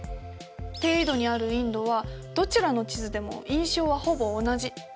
低緯度にあるインドはどちらの地図でも印象はほぼ同じ。